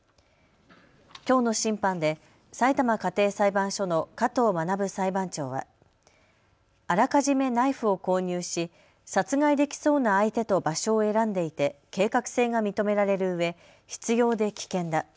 きょうの審判でさいたま家庭裁判所の加藤学裁判長は、あらかじめナイフを購入し殺害できそうな相手と場所を選んでいて計画性が認められるうえ執ようで危険だ。